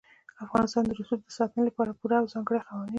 افغانستان د رسوب د ساتنې لپاره پوره او ځانګړي قوانین لري.